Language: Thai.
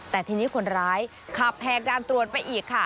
แต่ทีนี้คนร้ายขับแหกด่านตรวจไปอีกค่ะ